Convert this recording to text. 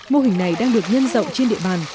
mô hình này đang được nhân rộng trên địa bàn